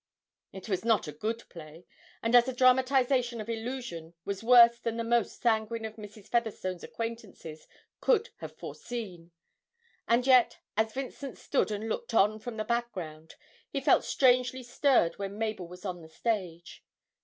It was not a good play, and as a dramatisation of 'Illusion' was worse than the most sanguine of Mrs. Featherstone's acquaintances could have foreseen; and yet, as Vincent stood and looked on from the background, he felt strangely stirred when Mabel was on the stage.